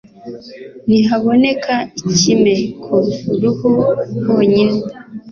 nihaboneka ikime ku ruhu honyine